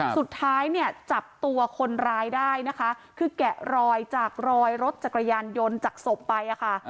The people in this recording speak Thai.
สุดท้ายเนี่ยจับตัวคนร้ายได้นะคะคือแกะรอยจากรอยรถจักรยานยนต์จากศพไปอะค่ะ